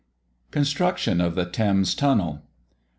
CONSTRUCTION OF THE THAMES TUNNEL.